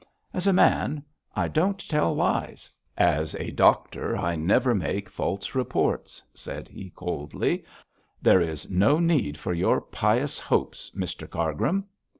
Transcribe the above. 'As a man, I don't tell lies; as a doctor, I never make false reports,' said he, coldly; 'there is no need for your pious hopes, Mr Cargrim.'